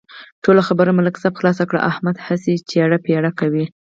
ټوله خبره ملک صاحب خلاصه کړله، احمد هسې چېړ پېړ کوي.